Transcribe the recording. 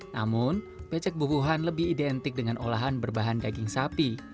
namun becek bubuhan lebih identik dengan olahan berbahan daging sapi